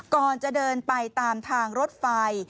ก่อนจะเดินไปตามทางรถไฟ